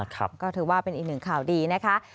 ก็ถือว่าเป็นอีกหนึ่งข่าวดีนะคะ